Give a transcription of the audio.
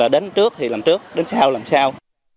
đến trước thì làm trước đến sau thì làm sau